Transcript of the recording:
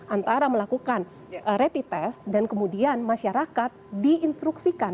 antara melakukan rapid test dan kemudian masyarakat diinstruksikan